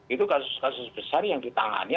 itu kasus kasus besar yang ditangani